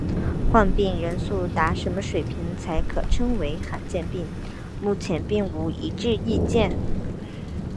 患病人数达什么水平才可称为罕见病目前并无一致意见。